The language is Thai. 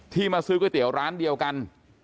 มาซื้อก๋วยเตี๋ยวร้านเดียวกัน